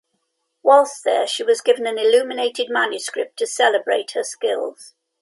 Whilst there she was given an illuminated manuscript to celebrate her skills.